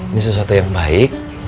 ini sesuatu yang baik